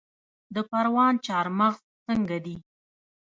د پروان چارمغز څنګه دي؟